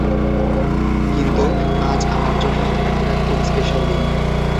কিন্তু আজ আমার জন্য একটা খুব স্পেশাল দিন।